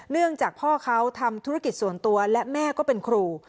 เนื่องจากพ่อเขาทำธุรกิจส่วนตัวและแม่ก็เป็นครู